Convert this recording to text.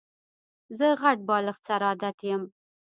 زه غټ بالښت سره عادت یم.